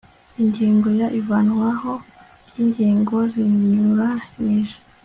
Ingingo ya ivanwaho ry ingingo zinyuranyije